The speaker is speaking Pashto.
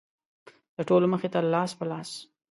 د ټولو مخې ته لاس په لاس.